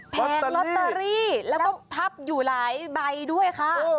แพงลอตเตอรี่แล้วก็พับอยู่หลายใบด้วยค่ะ